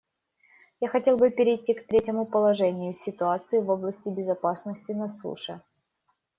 Я хотел бы перейти к третьему положению — ситуации в области безопасности на суше.